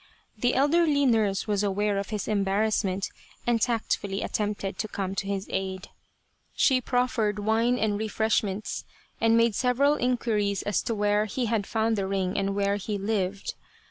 The elderly nurse was aware of his embarrassment, and tactfully attempted to come to his aid. She 2 55 A Cherry Flower Idyll proffered wine and refreshments, and made several inquiries as to where he had found the ring and where he lived.